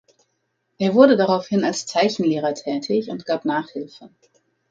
Er wurde daraufhin als Zeichenlehrer tätig und gab Nachhilfe.